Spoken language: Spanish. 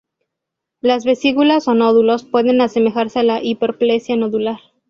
Las vesículas o nódulos pueden asemejarse a la hiperplasia nodular.